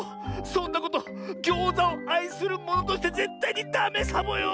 そんなことギョーザをあいするものとしてぜったいにダメサボよ！